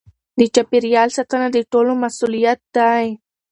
د چاپیریال ساتنه د ټولو مسؤلیت دی.